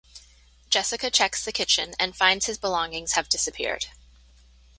Jessica checks the kitchen and finds his belongings have disappeared.